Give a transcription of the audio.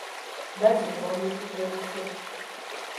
Baazimba olutindo olupya.